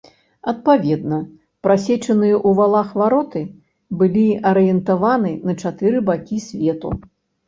Адпаведна, прасечаныя ў валах вароты былі арыентаваны на чатыры бакі свету.